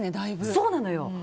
そうなのよ。